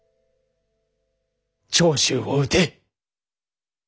長州を討て。